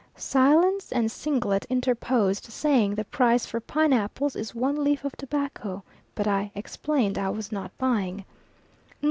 Silence and Singlet interposed, saying the price for pine apples is one leaf of tobacco, but I explained I was not buying.